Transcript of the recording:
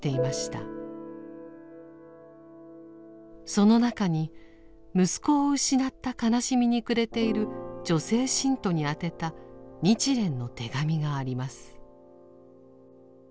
その中に息子を失った悲しみに暮れている女性信徒に宛てた日蓮の手紙があります。